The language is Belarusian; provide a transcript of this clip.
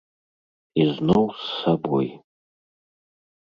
І зноў з сабой.